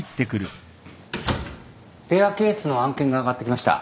レアケースの案件があがってきました。